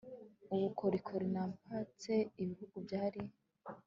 ubukoroni na mpatse ibihugu byari